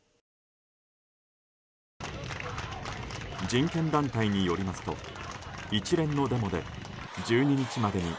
人権団体によりますと一連のデモで、１２日までに